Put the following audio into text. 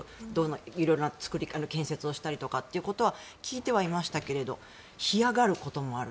色々な建設をしたりとかっていうことは聞いてはいましたけど干上がることもある。